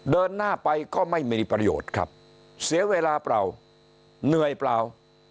เดินหน้าไปก็ไม่มีประโยชน์ครับเสียเวลาเปล่าเหนื่อยเปล่า